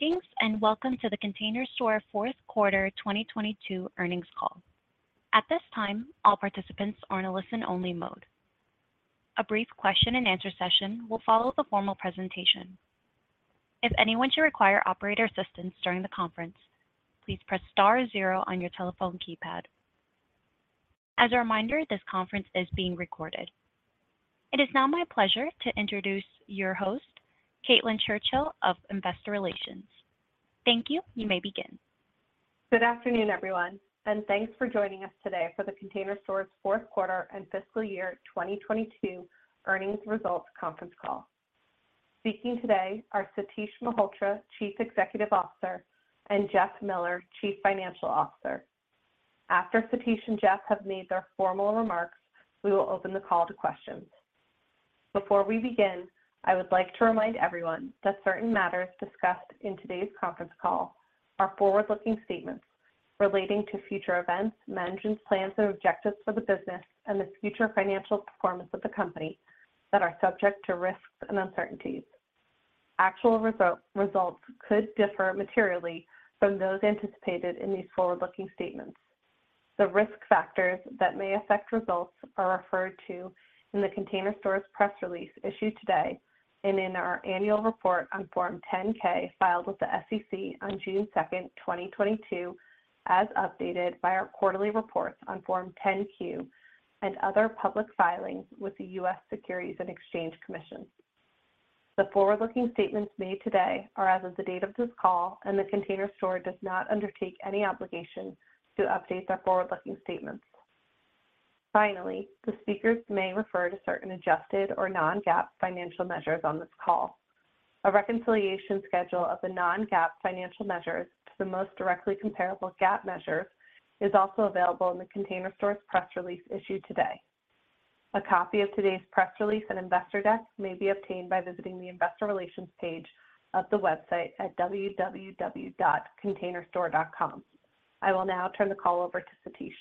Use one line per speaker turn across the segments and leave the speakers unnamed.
Greetings, welcome to The Container Store fourth quarter 2022 earnings call. At this time, all participants are in a listen only mode. A brief question and answer session will follow the formal presentation. If anyone should require operator assistance during the conference, please press star zero on your telephone keypad. As a reminder, this conference is being recorded. It is now my pleasure to introduce Your host, Caitlin Churchill of Investor Relations. Thank you. You may begin.
Good afternoon, everyone. Thanks for joining us today for The Container Store's fourth quarter and fiscal year 2022 earnings results conference call. Speaking today are Satish Malhotra, Chief Executive Officer, and Jeff Miller, Chief Financial Officer. After Satish and Jeff have made their formal remarks, we will open the call to questions. Before we begin, I would like to remind everyone that certain matters discussed in today's conference call are forward-looking statements relating to future events, management's plans and objectives for the business, and the future financial performance of the company that are subject to risks and uncertainties. Actual results could differ materially from those anticipated in these forward-looking statements. The risk factors that may affect results are referred to in The Container Store's press release issued today and in our annual report on Form 10-K filed with the SEC on June 2nd, 2022, as updated by our quarterly reports on Form 10-Q and other public filings with the U.S. Securities and Exchange Commission. The forward-looking statements made today are as of the date of this call. The Container Store does not undertake any obligation to update their forward-looking statements. Finally, the speakers may refer to certain adjusted or non-GAAP financial measures on this call. A reconciliation schedule of the non-GAAP financial measures to the most directly comparable GAAP measures is also available in The Container Store's press release issued today. A copy of today's press release and investor deck may be obtained by visiting the investor relations page of the website at www.containerstore.com. I will now turn the call over to Satish.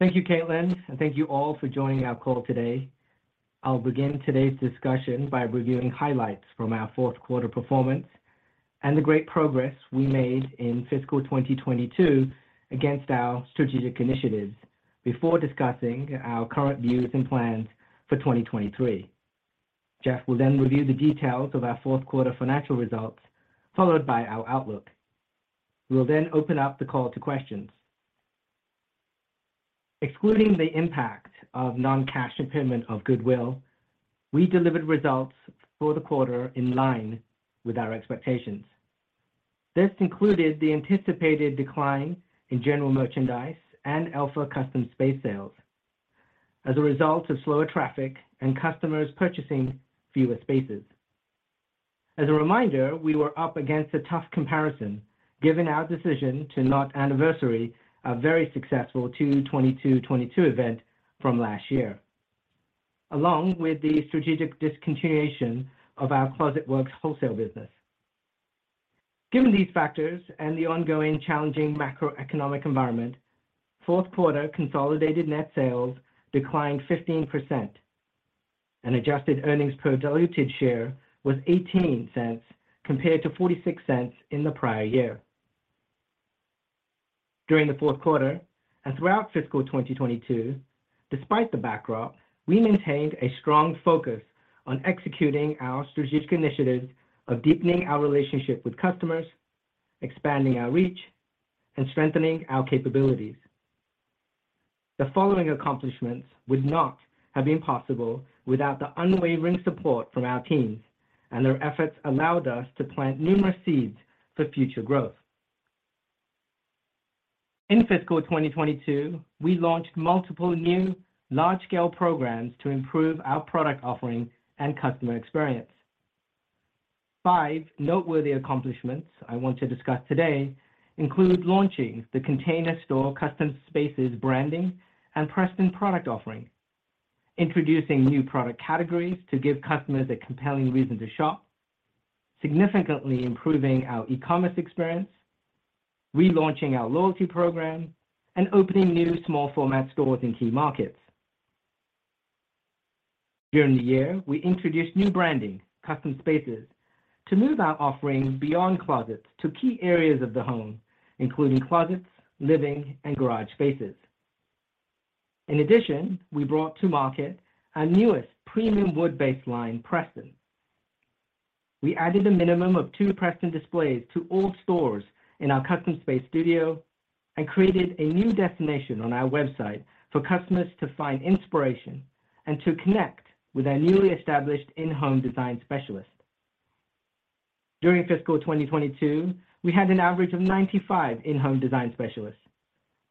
Thank you, Caitlin. Thank you all for joining our call today. I'll begin today's discussion by reviewing highlights from our fourth quarter performance and the great progress we made in fiscal 2022 against our strategic initiatives before discussing our current views and plans for 2023. Jeff will review the details of our fourth quarter financial results, followed by our outlook. We will open up the call to questions. Excluding the impact of non-cash impairment of goodwill, we delivered results for the quarter in line with our expectations. This included the anticipated decline in general merchandise and Elfa Custom Space sales, as a result of slower traffic and customers purchasing fewer spaces. As a reminder, we were up against a tough comparison given our decision to not anniversary a very successful 2/22/22 event from last year, along with the strategic discontinuation of our Closet Works wholesale business. Given these factors and the ongoing challenging macroeconomic environment, fourth quarter consolidated net sales declined 15% and adjusted earnings per diluted share was $0.18 compared to $0.46 in the prior year. During the fourth quarter and throughout fiscal 2022, despite the backdrop, we maintained a strong focus on executing our strategic initiatives of deepening our relationship with customers, expanding our reach, and strengthening our capabilities. The following accomplishments would not have been possible without the unwavering support from our teams. Their efforts allowed us to plant numerous seeds for future growth. In fiscal 2022, we launched multiple new large-scale programs to improve our product offering and customer experience. Five noteworthy accomplishments I want to discuss today include launching The Container Store Custom Spaces branding and Preston product offering, introducing new product categories to give customers a compelling reason to shop, significantly improving our e-commerce experience, relaunching our loyalty program, and opening new small format stores in key markets. During the year, we introduced new branding, Custom Spaces, to move our offering beyond closets to key areas of the home, including closets, living, and garage spaces. In addition, we brought to market our newest premium wood-based line, Preston. We added a minimum of two Preston displays to all stores in our Custom Space studio and created a new destination on our website for customers to find inspiration and to connect with our newly established in-home design specialists. During fiscal 2022, we had an average of 95 in-home design specialists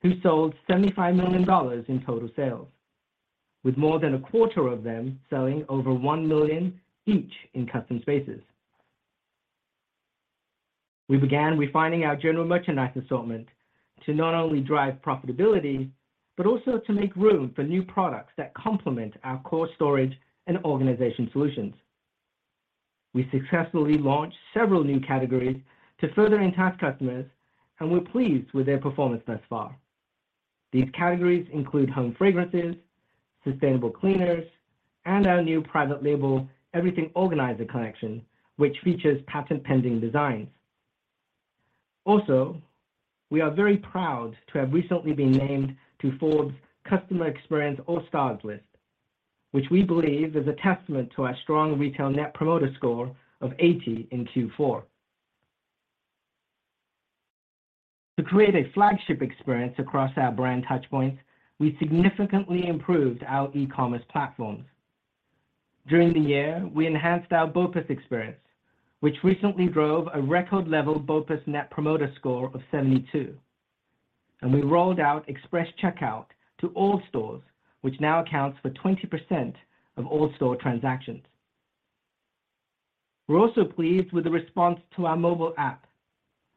who sold $75 million in total sales, with more than a quarter of them selling over $1 million each in Custom Spaces. We began refining our general merchandise assortment to not only drive profitability, but also to make room for new products that complement our core storage and organization solutions. We successfully launched several new categories to further entice customers, and we're pleased with their performance thus far. These categories include home fragrances, sustainable cleaners, and our new private label, Everything Organizer Collection, which features patent-pending designs. We are very proud to have recently been named to Forbes Customer Experience All-Stars list, which we believe is a testament to our strong retail net promoter score of 80 in Q4. To create a flagship experience across our brand touchpoints, we significantly improved our e-commerce platforms. During the year, we enhanced our BOPIS experience, which recently drove a record level Net Promoter Score of 72. We rolled out express checkout to all stores, which now accounts for 20% of all store transactions. We're also pleased with the response to our mobile app,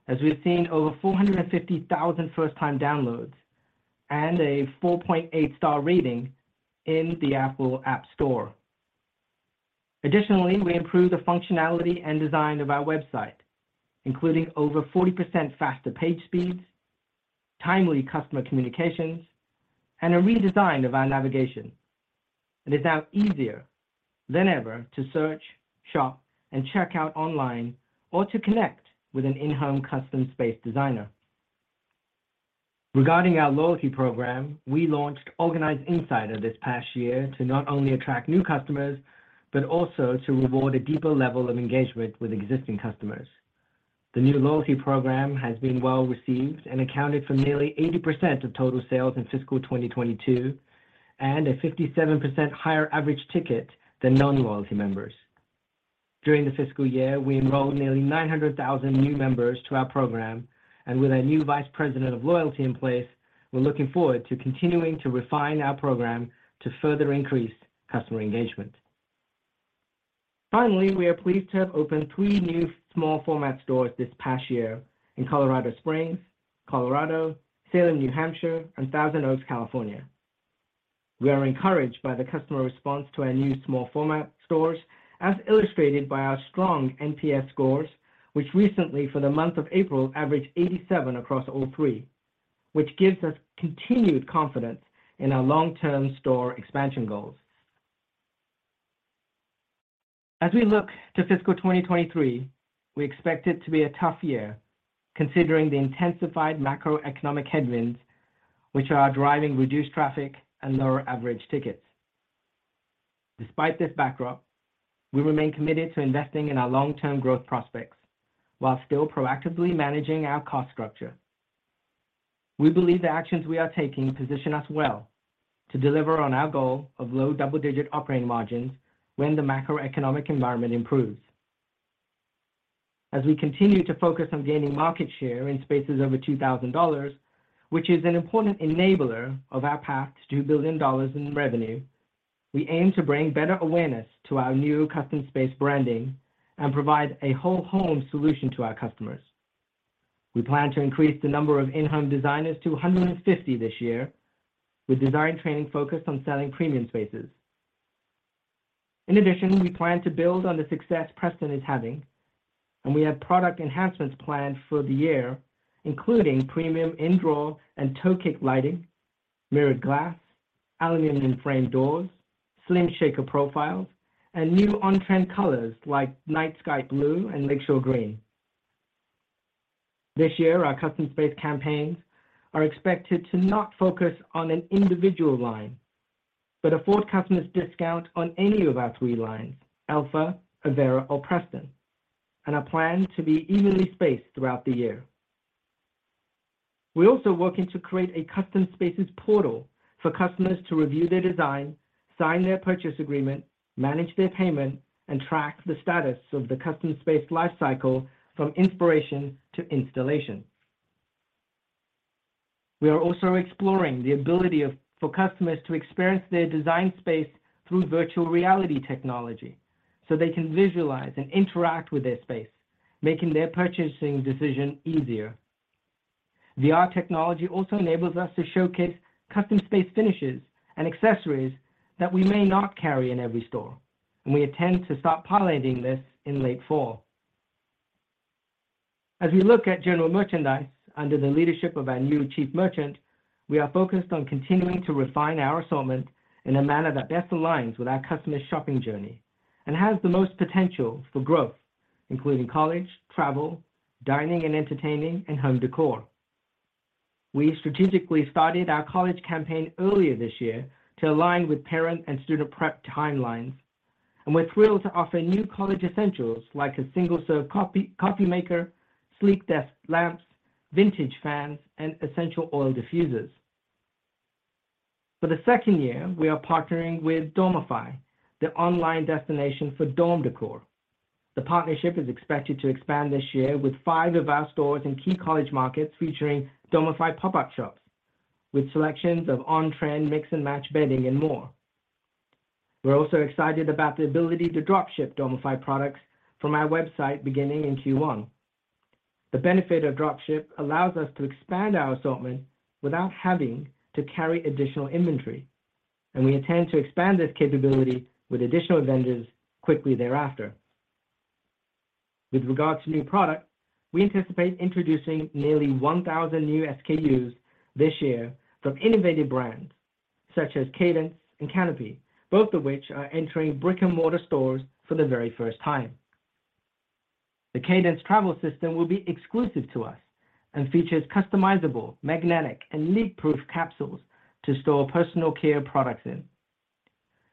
as we've seen over 450,000 first-time downloads and a 4.8-star rating in the App Store. Additionally, we improved the functionality and design of our website, including over 40% faster page speeds, timely customer communications, and a redesign of our navigation. It is now easier than ever to search, shop, and checkout online or to connect with an in-home Custom Spaces designer. Regarding our loyalty program, we launched Organized Insider this past year to not only attract new customers, but also to reward a deeper level of engagement with existing customers. The new loyalty program has been well-received and accounted for nearly 80% of total sales in fiscal 2022 and a 57% higher average ticket than non-loyalty members. During the fiscal year, we enrolled nearly 900,000 new members to our program, and with our new vice president of loyalty in place, we're looking forward to continuing to refine our program to further increase customer engagement. Finally, we are pleased to have opened three new small format stores this past year in Colorado Springs, Colorado, Salem, New Hampshire, and Thousand Oaks, California. We are encouraged by the customer response to our new small format stores, as illustrated by our strong NPS scores, which recently, for the month of April, averaged 87 across all three, which gives us continued confidence in our long-term store expansion goals. We look to fiscal 2023, we expect it to be a tough year considering the intensified macroeconomic headwinds which are driving reduced traffic and lower average tickets. Despite this backdrop, we remain committed to investing in our long-term growth prospects while still proactively managing our cost structure. We believe the actions we are taking position us well to deliver on our goal of low double-digit operating margins when the macroeconomic environment improves. We continue to focus on gaining market share in spaces over $2,000, which is an important enabler of our path to $2 billion in revenue, we aim to bring better awareness to our new Custom Spaces branding and provide a whole home solution to our customers. We plan to increase the number of in-home designers to 150 this year, with design training focused on selling premium spaces. We plan to build on the success Preston is having, and we have product enhancements planned for the year, including premium in-drawer and toe kick lighting, mirrored glass, aluminum frame doors, slim shaker profiles, and new on-trend colors like Night Sky blue and Lakeshore Green. This year, our Custom Spaces campaigns are expected to not focus on an individual line, but afford customers discount on any of our three lines, Elfa, Avera, or Preston, and are planned to be evenly spaced throughout the year. We're also working to create a Custom Spaces portal for customers to review their design, sign their purchase agreement, manage their payment, and track the status of the Custom Spaces lifecycle from inspiration to installation. We are also exploring the ability of... for customers to experience their design space through virtual reality technology, so they can visualize and interact with their space, making their purchasing decision easier. VR technology also enables us to showcase Custom Space finishes and accessories that we may not carry in every store, and we intend to start piloting this in late fall. As we look at general merchandise under the leadership of our new chief merchant, we are focused on continuing to refine our assortment in a manner that best aligns with our customers' shopping journey and has the most potential for growth, including college, travel, dining and entertaining, and home decor. We strategically started our college campaign earlier this year to align with parent and student prep timelines, and we're thrilled to offer new college essentials like a single-serve coffee maker, sleek desk lamps, vintage fans, and essential oil diffusers. For the second year, we are partnering with Dormify, the online destination for dorm decor. The partnership is expected to expand this year with five of our stores in key college markets featuring Dormify pop-up shops with selections of on-trend mix and match bedding and more. We're also excited about the ability to drop ship Dormify products from our website beginning in Q1. The benefit of drop ship allows us to expand our assortment without having to carry additional inventory, and we intend to expand this capability with additional vendors quickly thereafter. With regards to new product, we anticipate introducing nearly 1,000 new SKUs this year from innovative brands such as Cadence and Canopy, both of which are entering brick-and-mortar stores for the very first time. The Cadence travel system will be exclusive to us and features customizable, magnetic and leak-proof capsules to store personal care products in.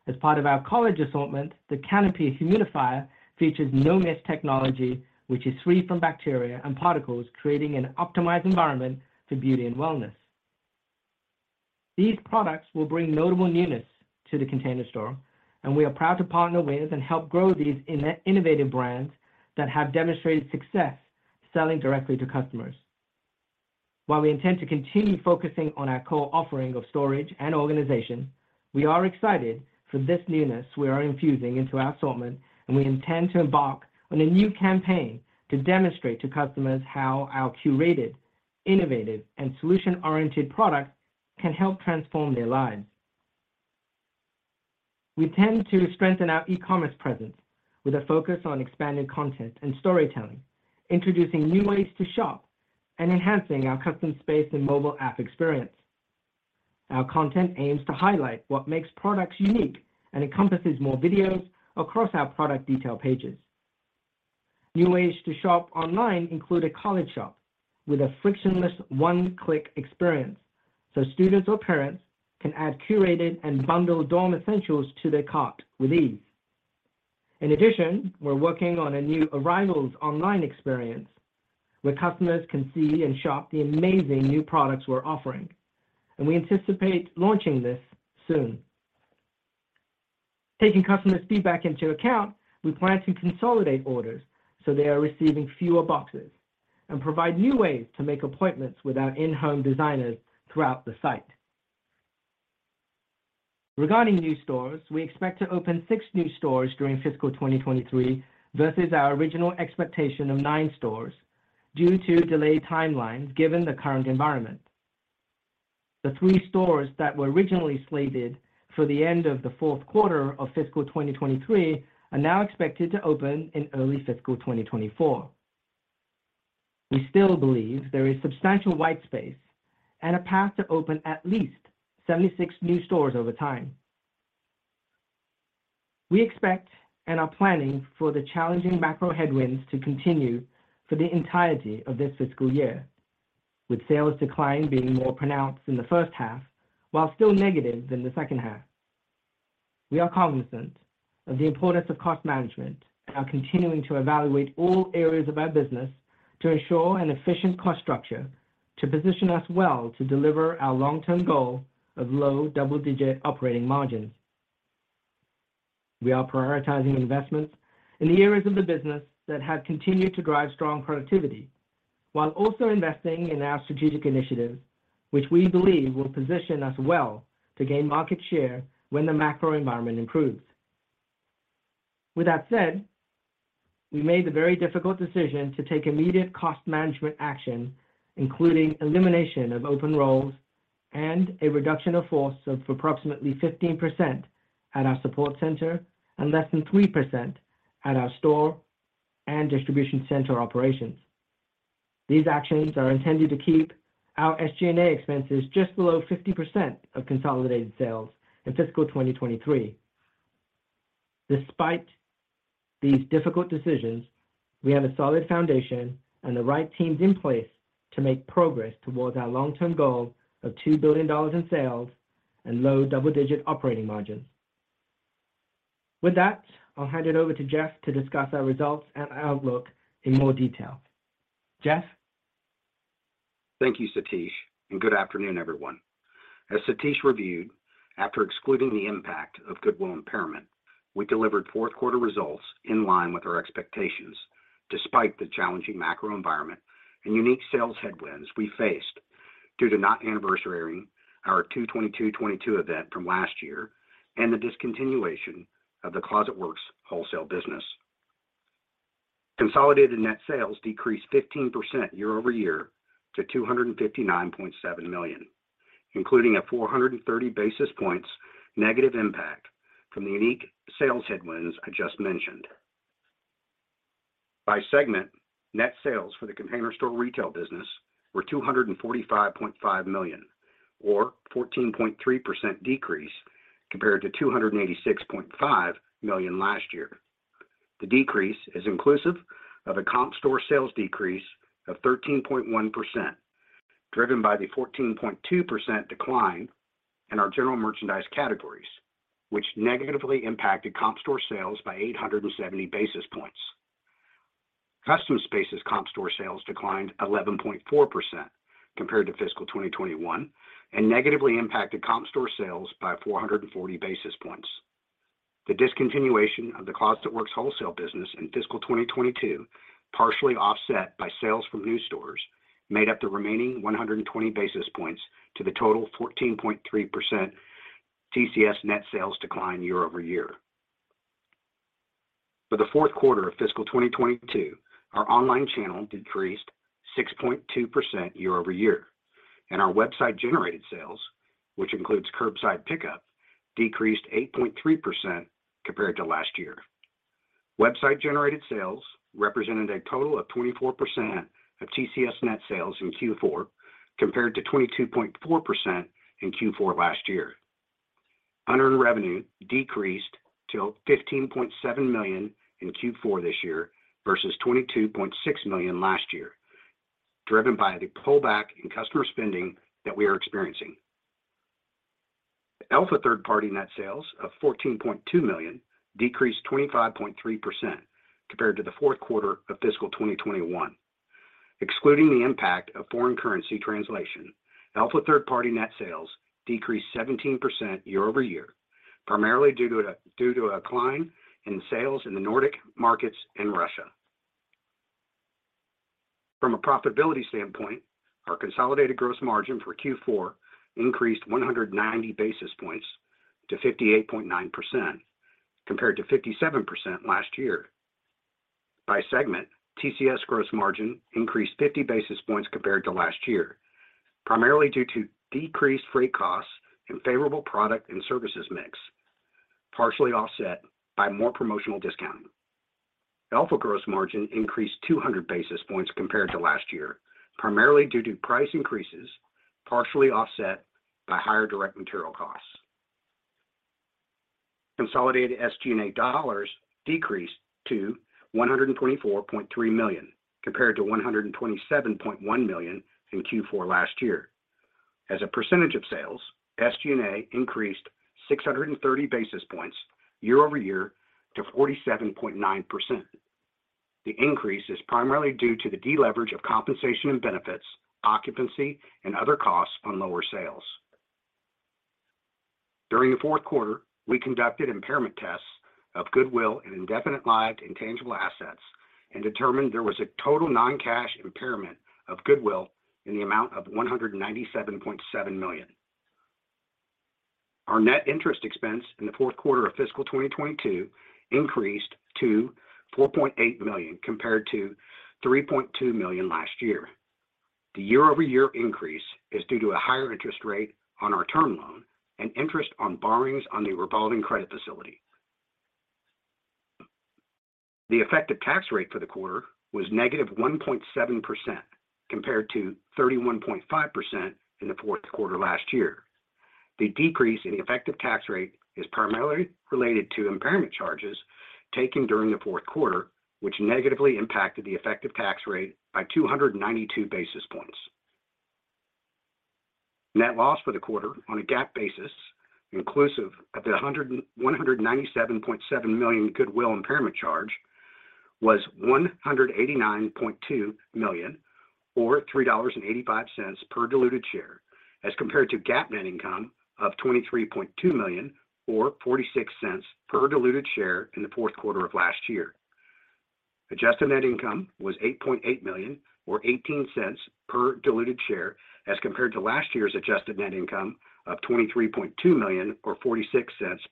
As part of our college assortment, the Canopy humidifier features no-mist technology, which is free from bacteria and particles, creating an optimized environment for beauty and wellness. These products will bring notable newness to The Container Store. We are proud to partner with and help grow these innovative brands that have demonstrated success selling directly to customers. While we intend to continue focusing on our core offering of storage and organization, we are excited for this newness we are infusing into our assortment. We intend to embark on a new campaign to demonstrate to customers how our curated, innovative and solution-oriented products can help transform their lives. We intend to strengthen our e-commerce presence with a focus on expanding content and storytelling, introducing new ways to shop and enhancing our Custom Space and mobile app experience. Our content aims to highlight what makes products unique and encompasses more videos across our product detail pages. New ways to shop online include a college shop with a frictionless one-click experience, so students or parents can add curated and bundled dorm essentials to their cart with ease. In addition, we're working on a new arrivals online experience where customers can see and shop the amazing new products we're offering, and we anticipate launching this soon. Taking customers' feedback into account, we plan to consolidate orders, so they are receiving fewer boxes and provide new ways to make appointments with our in-home designers throughout the site. Regarding new stores, we expect to open six new stores during fiscal 2023 versus our original expectation of nine stores due to delayed timelines given the current environment. The three stores that were originally slated for the end of the fourth quarter of fiscal 2023 are now expected to open in early fiscal 2024. We still believe there is substantial white space and a path to open at least 76 new stores over time. We expect and are planning for the challenging macro headwinds to continue for the entirety of this fiscal year, with sales decline being more pronounced in the first half while still negative in the second half. We are cognizant of the importance of cost management and are continuing to evaluate all areas of our business to ensure an efficient cost structure to position us well to deliver our long-term goal of low double-digit operating margins. We are prioritizing investments in the areas of the business that have continued to drive strong productivity, while also investing in our strategic initiatives, which we believe will position us well to gain market share when the macro environment improves. With that said, we made the very difficult decision to take immediate cost management action, including elimination of open roles and a reduction of force of approximately 15% at our support center and less than 3% at our store and distribution center operations. These actions are intended to keep our SG&A expenses just below 50% of consolidated sales in fiscal 2023. Despite these difficult decisions, we have a solid foundation and the right teams in place to make progress towards our long-term goal of $2 billion in sales and low double-digit operating margins. With that, I'll hand it over to Jeff to discuss our results and outlook in more detail. Jeff?
Thank you, Satish. Good afternoon, everyone. As Satish reviewed, after excluding the impact of goodwill impairment, we delivered fourth quarter results in line with our expectations, despite the challenging macro environment and unique sales headwinds we faced due to not anniversarying our 2/22/22 event from last year and the discontinuation of the Closet Works wholesale business. Consolidated net sales decreased 15% year-over-year to $259.7 million, including a 430 basis points negative impact from the unique sales headwinds I just mentioned. By segment, net sales for The Container Store retail business were $245.5 million, or 14.3% decrease compared to $286.5 million last year. The decrease is inclusive of a comp store sales decrease of 13.1%, driven by the 14.2% decline in our general merchandise categories, which negatively impacted comp store sales by 870 basis points. Custom Spaces' comp store sales declined 11.4% compared to fiscal 2021 and negatively impacted comp store sales by 440 basis points. The discontinuation of the Closet Works wholesale business in fiscal 2022, partially offset by sales from new stores, made up the remaining 120 basis points to the total 14.3% TCS net sales decline year-over-year. For the fourth quarter of fiscal 2022, our online channel decreased 6.2% year-over-year. Our website-generated sales, which includes curbside pickup, decreased 8.3% compared to last year. Website-generated sales represented a total of 24% of TCS net sales in Q4, compared to 22.4% in Q4 last year. Unearned revenue decreased to $15.7 million in Q4 this year versus $22.6 million last year, driven by the pullback in customer spending that we are experiencing. Elfa third-party net sales of $14.2 million decreased 25.3% compared to the fourth quarter of fiscal 2021. Excluding the impact of foreign currency translation, Elfa third-party net sales decreased 17% year over year, primarily due to a decline in sales in the Nordic markets and Russia. From a profitability standpoint, our consolidated gross margin for Q4 increased 190 basis points to 58.9% compared to 57% last year. By segment, TCS gross margin increased 50 basis points compared to last year, primarily due to decreased freight costs and favorable product and services mix, partially offset by more promotional discounting. Elfa gross margin increased 200 basis points compared to last year, primarily due to price increases, partially offset by higher direct material costs. Consolidated SG&A dollars decreased to $124.3 million compared to $127.1 million in Q4 last year. As a percentage of sales, SG&A increased 630 basis points year-over-year to 47.9%. The increase is primarily due to the deleverage of compensation and benefits, occupancy, and other costs on lower sales. During the fourth quarter, we conducted impairment tests of goodwill and indefinite-lived intangible assets and determined there was a total non-cash impairment of goodwill in the amount of $197.7 million. Our net interest expense in the fourth quarter of fiscal 2022 increased to $4.8 million compared to $3.2 million last year. The year-over-year increase is due to a higher interest rate on our term loan and interest on borrowings on the revolving credit facility. The effective tax rate for the quarter was -1.7% compared to 31.5% in the fourth quarter last year. The decrease in effective tax rate is primarily related to impairment charges taken during the fourth quarter, which negatively impacted the effective tax rate by 292 basis points. Net loss for the quarter on a GAAP basis, inclusive of the $197.7 million goodwill impairment charge, was $189.2 million, or $3.85 per diluted share, as compared to GAAP net income of $23.2 million, or $0.46 per diluted share in the fourth quarter of last year. Adjusted net income was $8.8 million, or $0.18 per diluted share, as compared to last year's adjusted net income of $23.2 million, or $0.46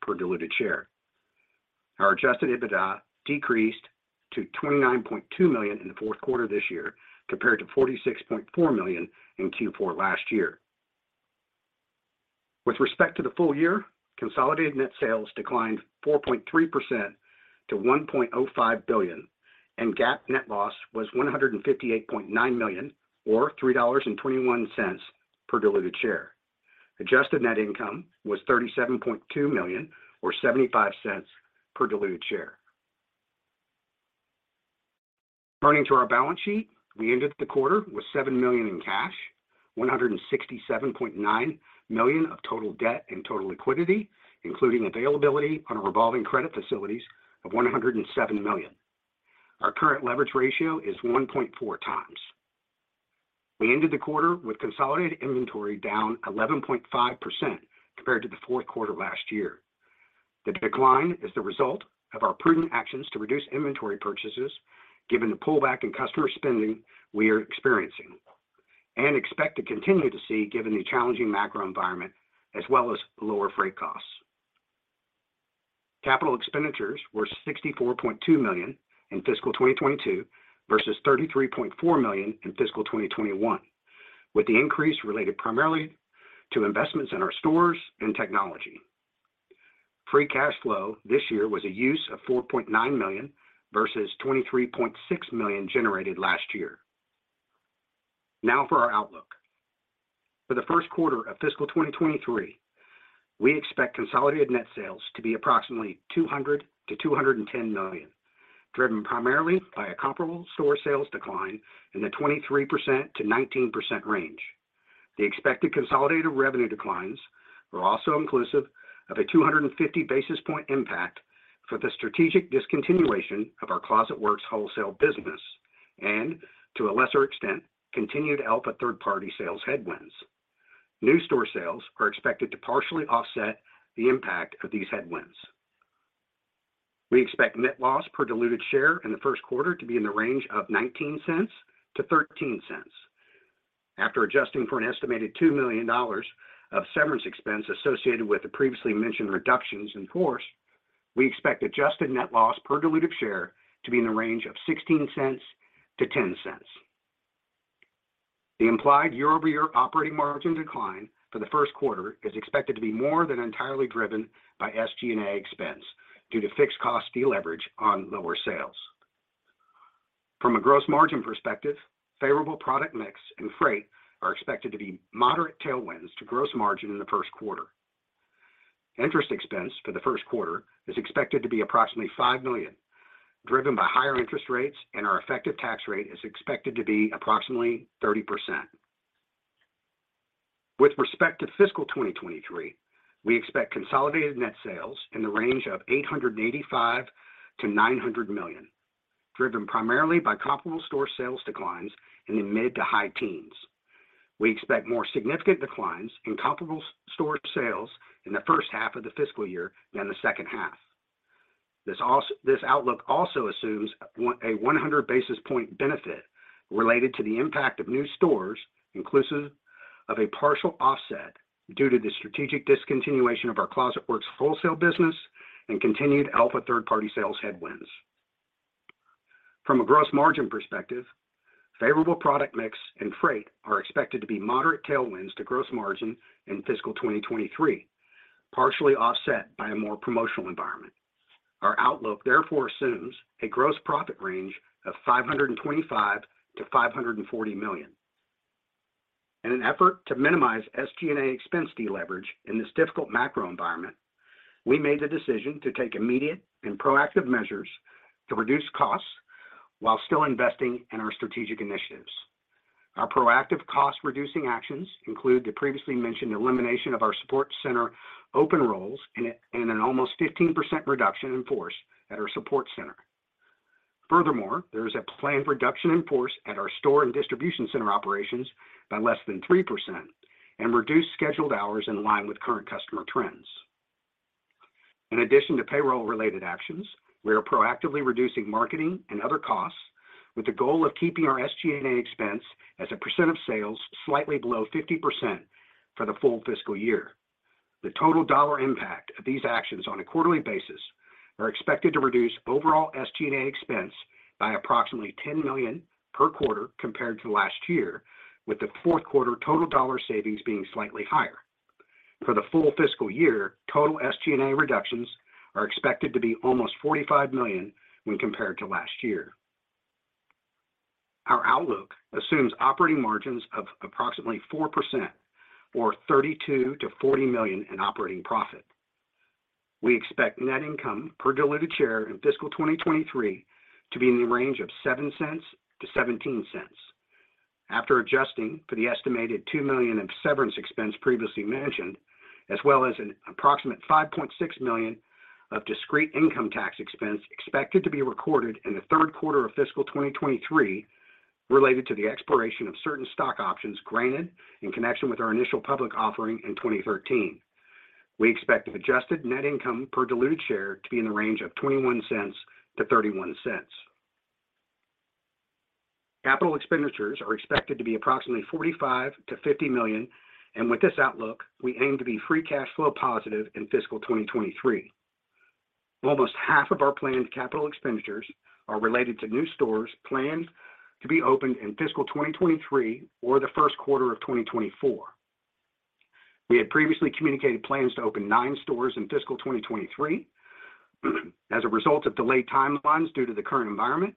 per diluted share. Our adjusted EBITDA decreased to $29.2 million in the fourth quarter this year, compared to $46.4 million in Q4 last year. With respect to the full year, consolidated net sales declined 4.3% to $1.05 billion. GAAP net loss was $158.9 million, or $3.21 per diluted share. Adjusted net income was $37.2 million, or $0.75 per diluted share. Turning to our balance sheet, we ended the quarter with $7 million in cash, $167.9 million of total debt and total liquidity, including availability on our revolving credit facilities of $107 million. Our current leverage ratio is 1.4 times. We ended the quarter with consolidated inventory down 11.5% compared to the fourth quarter last year. The decline is the result of our prudent actions to reduce inventory purchases given the pullback in customer spending we are experiencing and expect to continue to see given the challenging macro environment as well as lower freight costs. Capital expenditures were $64.2 million in fiscal 2022 versus $33.4 million in fiscal 2021, with the increase related primarily to investments in our stores and technology. free cash flow this year was a use of $4.9 million versus $23.6 million generated last year. Now for our outlook. For the first quarter of fiscal 2023, we expect consolidated net sales to be approximately $200 million-$210 million, driven primarily by a comparable store sales decline in the 23%-19% range. The expected consolidated revenue declines are also inclusive of a 250 basis point impact for the strategic discontinuation of our Closet Works wholesale business and, to a lesser extent, continued Elfa third-party sales headwinds. New store sales are expected to partially offset the impact of these headwinds. We expect net loss per diluted share in the first quarter to be in the range of $0.19-$0.13. After adjusting for an estimated $2 million of severance expense associated with the previously mentioned reductions in force. We expect adjusted net loss per diluted share to be in the range of $0.16-$0.10. The implied year-over-year operating margin decline for the first quarter is expected to be more than entirely driven by SG&A expense due to fixed cost deleverage on lower sales. From a gross margin perspective, favorable product mix and freight are expected to be moderate tailwinds to gross margin in the first quarter. Interest expense for the first quarter is expected to be approximately $5 million, driven by higher interest rates, and our effective tax rate is expected to be approximately 30%. With respect to fiscal 2023, we expect consolidated net sales in the range of $885 million-$900 million, driven primarily by comparable store sales declines in the mid to high teens. We expect more significant declines in comparable store sales in the first half of the fiscal year than the second half. This outlook also assumes a 100 basis point benefit related to the impact of new stores, inclusive of a partial offset due to the strategic discontinuation of our Closet Works wholesale business and continued Elfa third-party sales headwinds. From a gross margin perspective, favorable product mix and freight are expected to be moderate tailwinds to gross margin in fiscal 2023, partially offset by a more promotional environment. Our outlook therefore assumes a gross profit range of $525 million-$540 million. In an effort to minimize SG&A expense deleverage in this difficult macro environment, we made the decision to take immediate and proactive measures to reduce costs while still investing in our strategic initiatives. Our proactive cost-reducing actions include the previously mentioned elimination of our support center open roles and an almost 15% reduction in force at our support center. Furthermore, there is a planned reduction in force at our store and distribution center operations by less than 3% and reduced scheduled hours in line with current customer trends. In addition to payroll-related actions, we are proactively reducing marketing and other costs with the goal of keeping our SG&A expense as a % of sales slightly below 50% for the full fiscal year. The total dollar impact of these actions on a quarterly basis are expected to reduce overall SG&A expense by approximately $10 million per quarter compared to last year, with the fourth quarter total dollar savings being slightly higher. For the full fiscal year, total SG&A reductions are expected to be almost $45 million when compared to last year. Our outlook assumes operating margins of approximately 4% or $32 million-$40 million in operating profit. We expect net income per diluted share in fiscal 2023 to be in the range of $0.07-$0.17. After adjusting for the estimated $2 million in severance expense previously mentioned, as well as an approximate $5.6 million of discrete income tax expense expected to be recorded in the third quarter of fiscal 2023 related to the expiration of certain stock options granted in connection with our initial public offering in 2013. We expect adjusted net income per diluted share to be in the range of $0.21-$0.31. CapEx are expected to be approximately $45 million-$50 million. With this outlook, we aim to be free cash flow positive in fiscal 2023. Almost half of our planned CapEx are related to new stores planned to be opened in fiscal 2023 or the first quarter of 2024. We had previously communicated plans to open 9 stores in fiscal 2023. As a result of delayed timelines due to the current environment,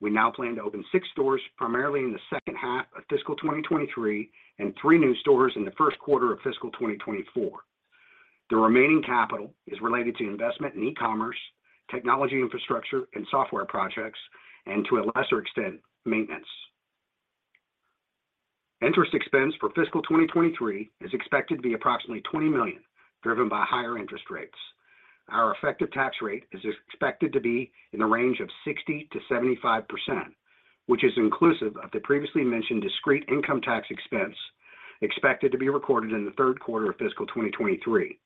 we now plan to open 6 stores primarily in the second half of fiscal 2023 and 3 new stores in the first quarter of fiscal 2024. The remaining capital is related to investment in e-commerce, technology infrastructure and software projects, and to a lesser extent, maintenance. Interest expense for fiscal 2023 is expected to be approximately $20 million, driven by higher interest rates. Our effective tax rate is expected to be in the range of 60%-75%, which is inclusive of the previously mentioned discrete income tax expense expected to be recorded in the third quarter of fiscal 2023.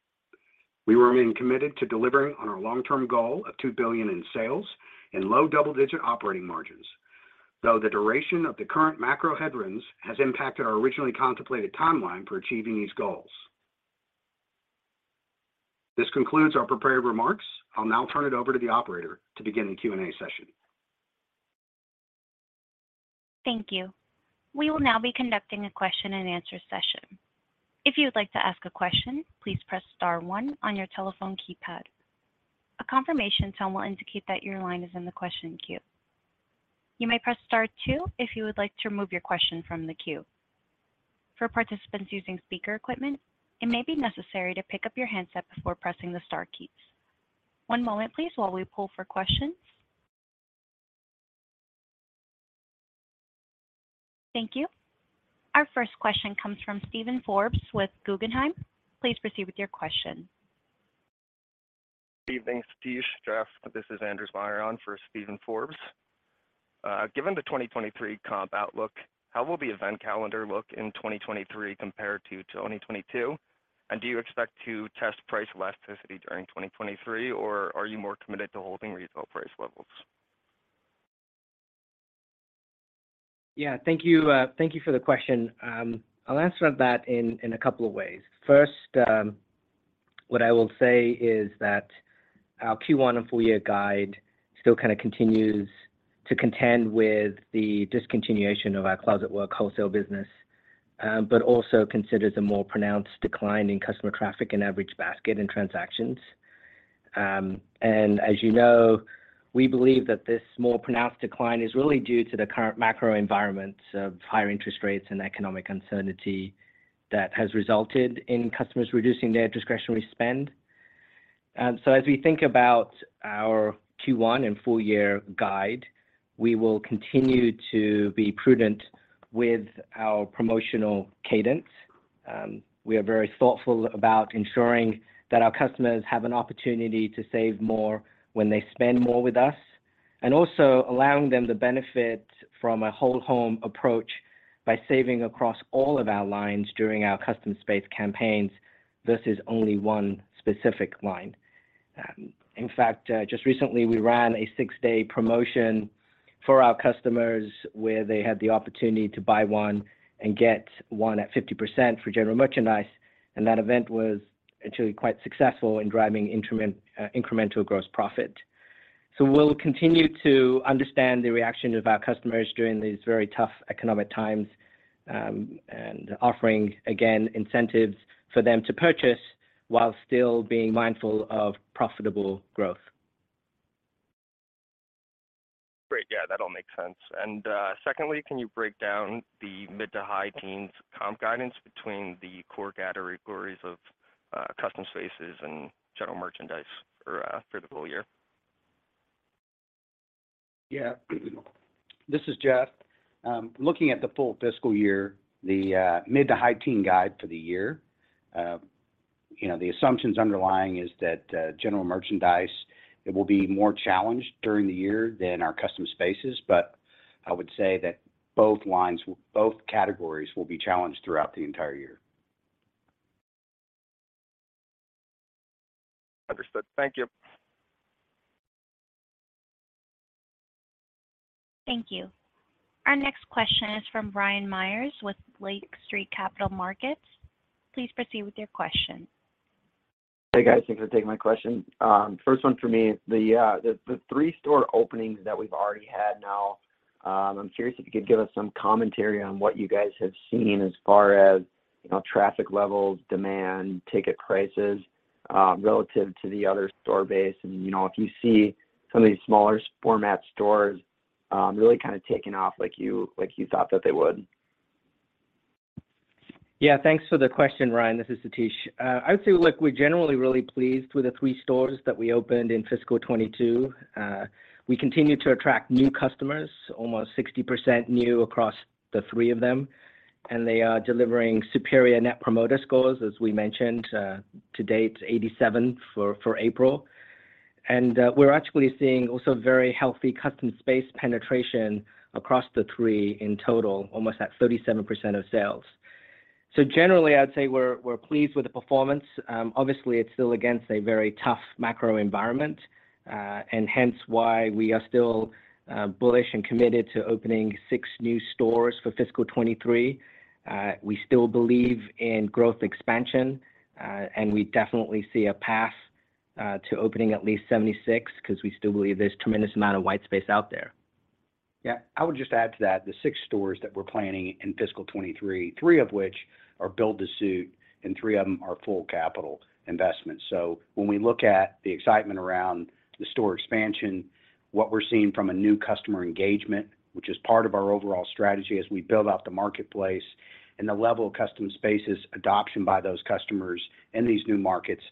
We remain committed to delivering on our long-term goal of $2 billion in sales and low double-digit operating margins. The duration of the current macro headwinds has impacted our originally contemplated timeline for achieving these goals. This concludes our prepared remarks. I'll now turn it over to the operator to begin the Q&A session.
Thank you. We will now be conducting a question and answer session. If you would like to ask a question, please press star one on your telephone keypad. A confirmation tone will indicate that your line is in the question queue. You may press star two if you would like to remove your question from the queue. For participants using speaker equipment, it may be necessary to pick up your handset before pressing the star keys. One moment, please, while we pull for questions. Thank you. Our first question comes from Steven Forbes with Guggenheim. Please proceed with your question.
Evening, Steve, Jeff. This is Anders Myhre for Steven Forbes. Given the 2023 comp outlook, how will the event calendar look in 2023 compared to 2022? Do you expect to test price elasticity during 2023, or are you more committed to holding retail price levels?
Yeah. Thank you. Thank you for the question. I'll answer that in a couple of ways. First, what I will say is that our Q1 and full year guide still kind of continues to contend with the discontinuation of our Closet Works wholesale business, but also considers a more pronounced decline in customer traffic and average basket in transactions. As you know, we believe that this more pronounced decline is really due to the current macro environment of higher interest rates and economic uncertainty that has resulted in customers reducing their discretionary spend. As we think about our Q1 and full year guide, we will continue to be prudent with our promotional cadence. We are very thoughtful about ensuring that our customers have an opportunity to save more when they spend more with us, and also allowing them to benefit from a whole home approach by saving across all of our lines during our Custom Space campaigns versus only one specific line. In fact, just recently, we ran a six-day promotion for our customers where they had the opportunity to buy one and get one at 50% for general merchandise, and that event was actually quite successful in driving incremental gross profit. We'll continue to understand the reaction of our customers during these very tough economic times, and offering, again, incentives for them to purchase while still being mindful of profitable growth.
Great. Yeah, that all makes sense. Secondly, can you break down the mid to high teens comp guidance between the core category queries of Custom Spaces and general merchandise for for the full year?
Yeah. This is Jeff. looking at the full fiscal year, the mid to high teen guide for the year, you know, the assumptions underlying is that general merchandise, it will be more challenged during the year than our Custom Spaces. I would say that both lines, both categories will be challenged throughout the entire year.
Understood. Thank you.
Thank you. Our next question is from Ryan Meyers with Lake Street Capital Markets. Please proceed with your question.
Hey, guys. Thanks for taking my question. First one for me, the three store openings that we've already had now, I'm curious if you could give us some commentary on what you guys have seen as far as, you know, traffic levels, demand, ticket prices, relative to the other store base and, you know, if you see some of these smaller format stores, really kind of taking off like you thought that they would.
Thanks for the question, Ryan. This is Satish. I would say, look, we're generally really pleased with the three stores that we opened in fiscal 2022. We continue to attract new customers, almost 60% new across the three of them, and they are delivering superior Net Promoter scores, as we mentioned, to date, 87 for April. We're actually seeing also very healthy Custom Space penetration across the three in total, almost at 37% of sales. Generally, I'd say we're pleased with the performance. Obviously, it's still against a very tough macro environment, and hence why we are still bullish and committed to opening 6 new stores for fiscal 2023. We still believe in growth expansion, we definitely see a path to opening at least 76 because we still believe there's tremendous amount of white space out there.
Yeah. I would just add to that, the six stores that we're planning in fiscal 2023, three of which are build-to-suit and three of them are full capital investments. When we look at the excitement around the store expansion, what we're seeing from a new customer engagement, which is part of our overall strategy as we build out the marketplace, and the level of Custom Spaces adoption by those customers in these new markets,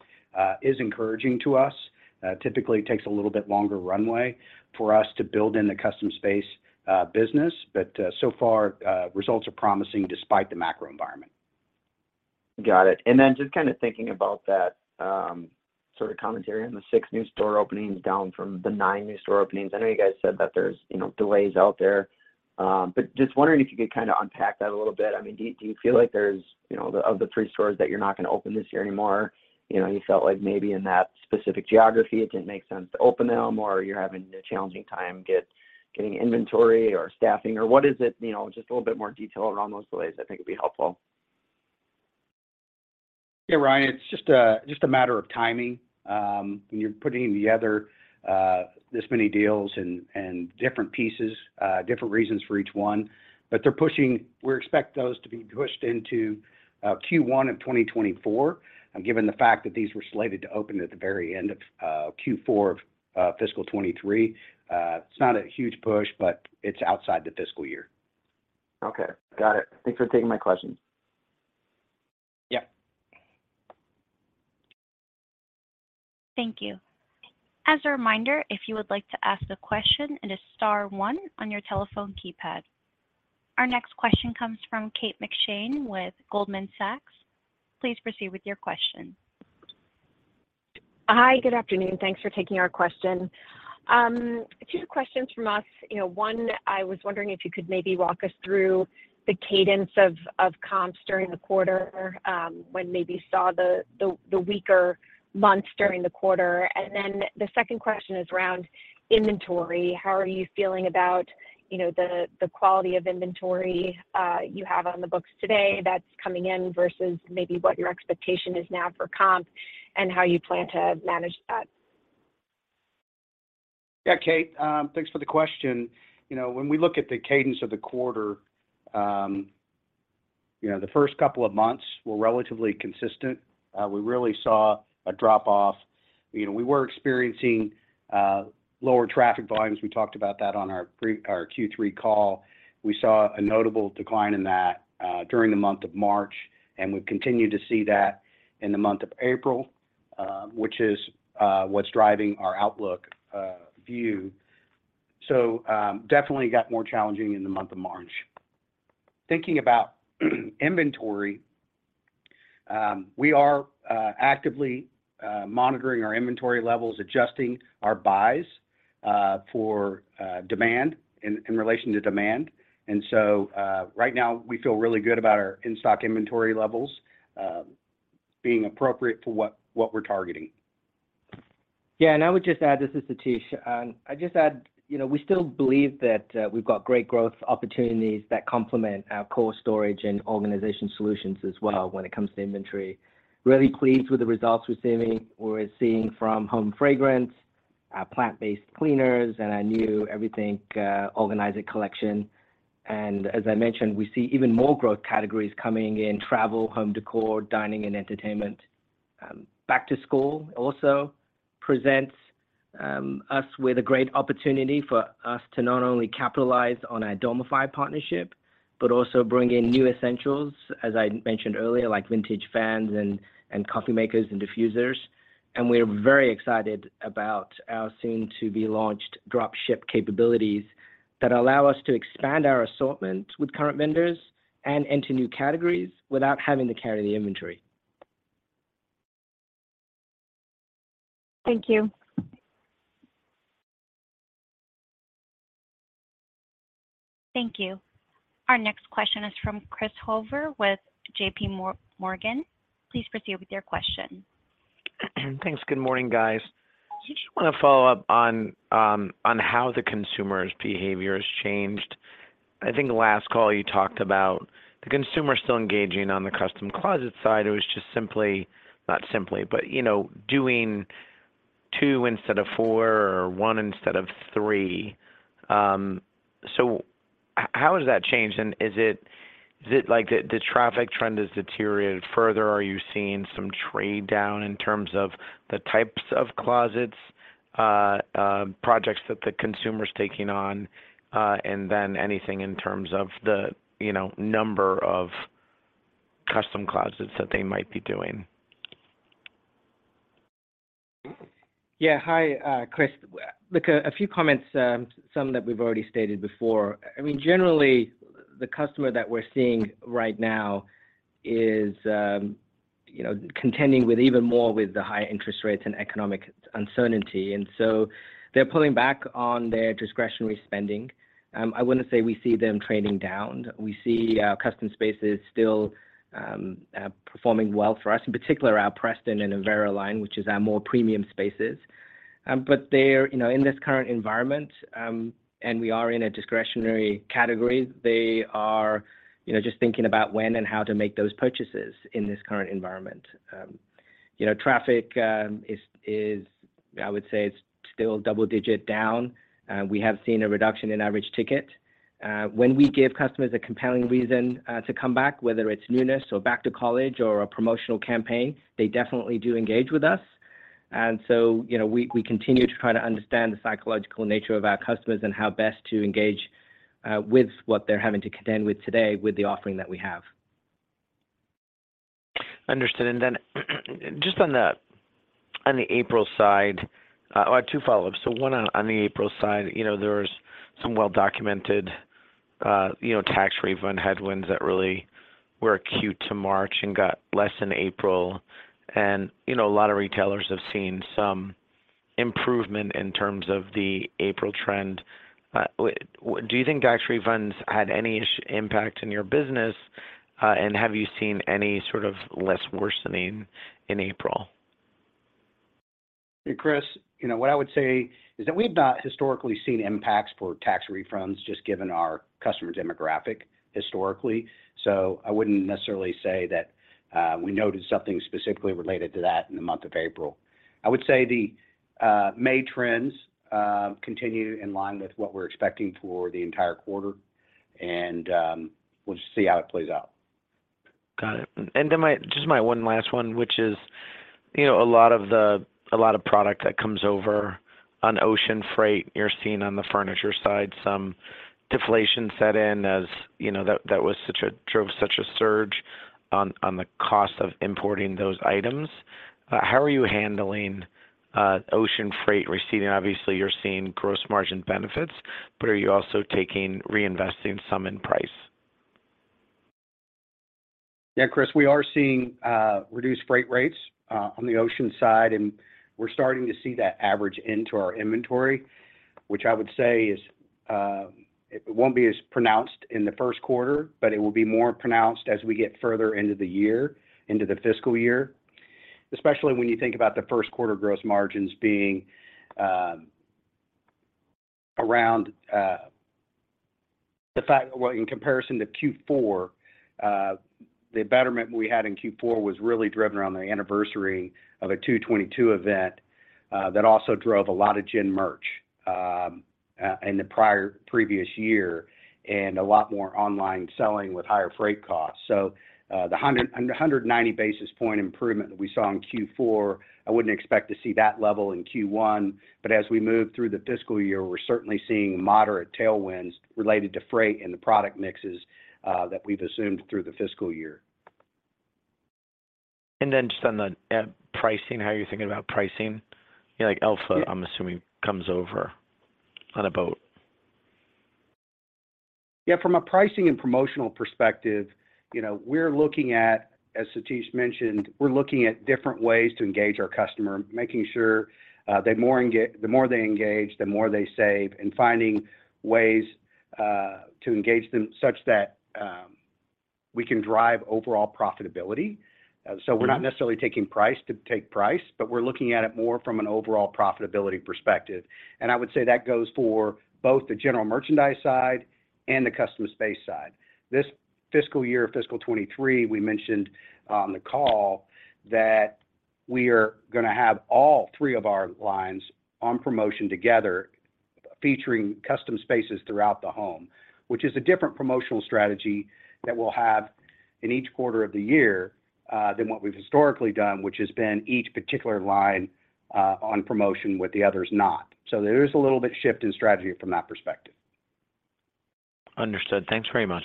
is encouraging to us. Typically takes a little bit longer runway for us to build in the Custom Space business. So far, results are promising despite the macro environment.
Got it. Just kind of thinking about that, sort of commentary on the 6 new store openings down from the nine new store openings. I know you guys said that there's, you know, delays out there. Just wondering if you could kind of unpack that a little bit. I mean, do you feel like there's, you know, of the 3 stores that you're not gonna open this year anymore, you know, you felt like maybe in that specific geography, it didn't make sense to open them, or you're having a challenging time getting inventory or staffing, or what is it? You know, just a little bit more detail around those delays I think would be helpful.
Yeah, Ryan, it's just a matter of timing. When you're putting together this many deals and different pieces, different reasons for each one. They're pushing. We expect those to be pushed into Q1 of 2024. Given the fact that these were slated to open at the very end of Q4 of fiscal 2023, it's not a huge push, but it's outside the fiscal year.
Okay. Got it. Thanks for taking my question.
Yeah.
Thank you. As a reminder, if you would like to ask a question, it is star one on your telephone keypad. Our next question comes from Kate McShane with Goldman Sachs. Please proceed with your question.
Hi. Good afternoon. Thanks for taking our question. A few questions from us. You know, one, I was wondering if you could maybe walk us through the cadence of comps during the quarter, when maybe you saw the weaker months during the quarter. The second question is around inventory. How are you feeling about, you know, the quality of inventory you have on the books today that's coming in versus maybe what your expectation is now for comp and how you plan to manage that?
Yeah, Kate, thanks for the question. You know, when we look at the cadence of the quarter, you know, the first couple of months were relatively consistent. We really saw a drop-off. You know, we were experiencing lower traffic volumes. We talked about that on our Q3 call. We saw a notable decline in that during the month of March, and we continue to see that in the month of April, which is what's driving our outlook view. Definitely got more challenging in the month of March. Thinking about inventory, we are actively monitoring our inventory levels, adjusting our buys for demand in relation to demand. Right now we feel really good about our in-stock inventory levels being appropriate for what we're targeting.
Yeah. I would just add... This is Satish. I'd just add, you know, we still believe that we've got great growth opportunities that complement our core storage and organization solutions as well when it comes to inventory. Really pleased with the results we're seeing from home fragrance, our plant-based cleaners, and our new Everything Organizer collection. As I mentioned, we see even more growth categories coming in travel, home decor, dining and entertainment. Back to school also presents us with a great opportunity for us to not only capitalize on our Dormify partnership but also bring in new essentials, as I mentioned earlier, like vintage fans and coffee makers and diffusers. We're very excited about our soon-to-be-launched drop ship capabilities that allow us to expand our assortment with current vendors and enter new categories without having to carry the inventory.
Thank you.
Thank you. Our next question is from Chris Horvers with JPMorgan. Please proceed with your question.
Thanks. Good morning, guys. I just wanna follow up on how the consumer's behavior has changed. I think last call you talked about the consumer still engaging on the Custom Closet side. It was just simply not simply, but, you know, doing two instead of four or one instead of three. So how has that changed? Is it like the traffic trend has deteriorated further? Are you seeing some trade down in terms of the types of closets, projects that the consumer's taking on, anything in terms of the, you know, number of Custom Closets that they might be doing?
Yeah. Hi, Chris. Look, a few comments, some that we've already stated before. I mean, generally the customer that we're seeing right now is, you know, contending with even more with the high interest rates and economic uncertainty. They're pulling back on their discretionary spending. I wouldn't say we see them trading down. We see our Custom Spaces still performing well for us, in particular our Preston and Avera line, which is our more premium spaces. They're... You know, in this current environment, and we are in a discretionary category, they are, you know, just thinking about when and how to make those purchases in this current environment. You know, traffic is, I would say it's still double-digit down. We have seen a reduction in average ticket. When we give customers a compelling reason to come back, whether it's newness or back to college or a promotional campaign, they definitely do engage with us. You know, we continue to try to understand the psychological nature of our customers and how best to engage with what they're having to contend with today with the offering that we have.
Understood. Just on the April side. I have two follow-ups. One on the April side. You know, there's some well-documented, you know, tax refund headwinds that really were acute to March and got less in April. You know, a lot of retailers have seen some improvement in terms of the April trend. Do you think tax refunds had any impact in your business? Have you seen any sort of less worsening in April?
Hey, Chris. You know, what I would say is that we've not historically seen impacts for tax refunds just given our customer demographic historically. I wouldn't necessarily say that we noticed something specifically related to that in the month of April. I would say the May trends continue in line with what we're expecting for the entire quarter, and we'll just see how it plays out.
Got it. Just my one last one, which is, you know, a lot of product that comes over on ocean freight, you're seeing on the furniture side some deflation set in as, you know, that drove such a surge on the cost of importing those items. How are you handling ocean freight? We're seeing obviously you're seeing gross margin benefits, but are you also taking, reinvesting some in price?
Chris, we are seeing reduced freight rates on the ocean side, and we're starting to see that average into our inventory, which I would say is it won't be as pronounced in the first quarter, but it will be more pronounced as we get further into the year, into the fiscal year, especially when you think about the first quarter gross margins being. Well, in comparison to Q4, the betterment we had in Q4 was really driven around the anniversary of a 2/2022 event that also drove a lot of gen merch in the previous year and a lot more online selling with higher freight costs. The 190 basis point improvement that we saw in Q4, I wouldn't expect to see that level in Q1. As we move through the fiscal year, we're certainly seeing moderate tailwinds related to freight and the product mixes, that we've assumed through the fiscal year.
Just on the pricing, how are you thinking about pricing? You know, like, Elfa, I'm assuming, comes over on a boat.
Yeah, from a pricing and promotional perspective, you know, we're looking at, as Satish mentioned, we're looking at different ways to engage our customer, making sure the more they engage, the more they save, and finding ways to engage them such that we can drive overall profitability. We're not necessarily taking price to take price, but we're looking at it more from an overall profitability perspective. I would say that goes for both the general merchandise side and the customer space side. This fiscal year, fiscal 2023, we mentioned on the call that we are gonna have all three of our lines on promotion together featuring Custom Spaces throughout the home, which is a different promotional strategy that we'll have in each quarter of the year than what we've historically done, which has been each particular line on promotion with the others not. There is a little bit shift in strategy from that perspective.
Understood. Thanks very much.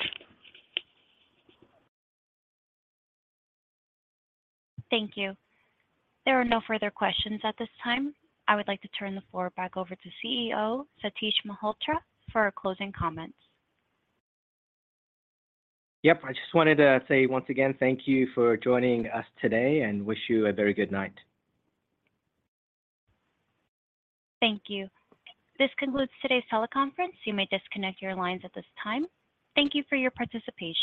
Thank you. There are no further questions at this time. I would like to turn the floor back over to CEO, Satish Malhotra, for our closing comments.
Yep. I just wanted to say once again, thank you for joining us today and wish you a very good night.
Thank you. This concludes today's teleconference. You may disconnect your lines at this time. Thank you for your participation.